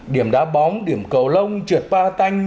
điểm đá bóng điểm cầu lông trượt ba tanh